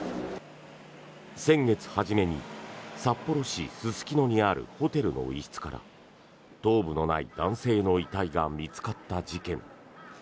先月初めに札幌市・すすきのにあるホテルの一室から頭部のない男性の遺体が見つかった事件。